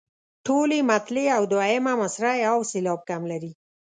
ټولې مطلعې او دوهمه مصرع یو سېلاب کم لري.